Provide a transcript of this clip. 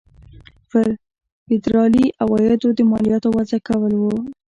پر فدرالي عوایدو د مالیاتو وضع کول وو.